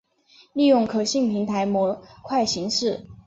利用可信平台模块形式。